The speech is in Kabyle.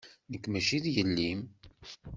Nekk maci d yelli-m.